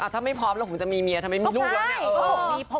ถ้าไม่พร้อมแล้วผมจะมีเมียทำไมมีลูกแล้วเนี่ย